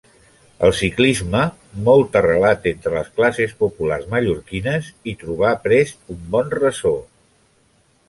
El ciclisme, molt arrelat entre les classes populars mallorquines, hi trobà prest un bon ressò.